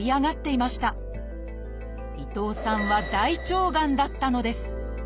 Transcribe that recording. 伊藤さんは「大腸がん」だったのです。